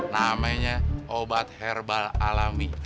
namanya obat herbal alami